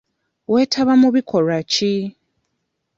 Weetaba mu bikolwa ki?